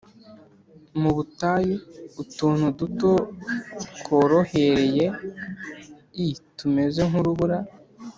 Mu butayu utuntu duto tworohereye l tumeze nk urubura